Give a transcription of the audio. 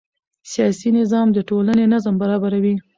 سیاسي نظام د ټولنې نظم برابروي